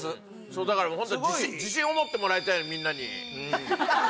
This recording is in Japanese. だから本当に自信を持ってもらいたいのみんなに。